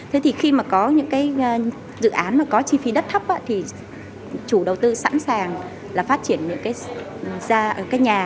thế thì khi mà có những cái dự án mà có chi phí đất thấp thì chủ đầu tư sẵn sàng là phát triển những cái nhà